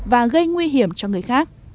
và gây nguy hiểm cho người khác